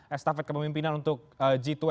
estafet kepemimpinan untuk g dua puluh